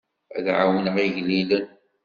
Ad ɛawneɣ igellilen.